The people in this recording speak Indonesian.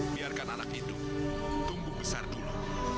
biarkan anak itu tumbuh besar dulu